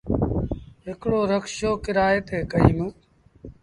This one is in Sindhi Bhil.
هڪڙو رڪشو ڪرئي تي ڪيٚم ۔